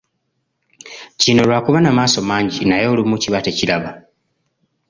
Kino lwa kuba na maaso mangi naye olumu kiba tekiraba.